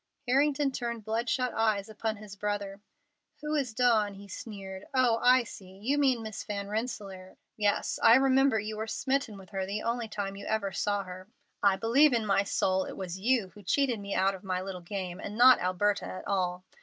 Harrington turned bloodshot eyes upon his brother. "Who is Dawn?" he sneered. "Oh, I see! You mean Miss Van Rensselaer. Yes, I remember you were smitten with her the only time you ever saw her. I believe in my soul it was you who cheated me out of my little game, and not Alberta at all.